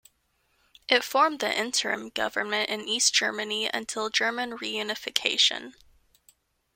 It formed the interim-government in East Germany until German Reunification.